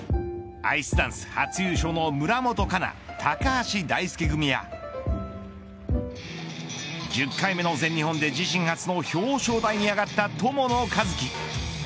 アイスダンス初優勝の村元哉中高橋大輔組や１０回目の全日本で自身初の表彰台に上がった友野一希。